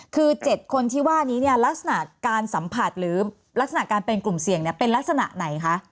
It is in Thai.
คือ๗คนที่ว่านี้เนี่ยลักษณะการสัมผัสหรือลักษณะการเป็นกลุ่มเสี่ยงเป็นลักษณะไหนคะ